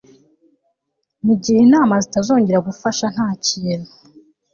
Mugihe inama zitazongera gufasha ntakintu